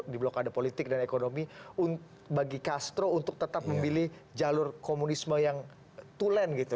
di blokade politik dan ekonomi bagi castro untuk tetap memilih jalur komunisme yang tulen gitu